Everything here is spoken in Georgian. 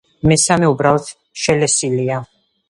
მესამე უბრალოდ შელესილია.